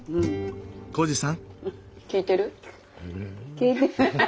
紘二さん？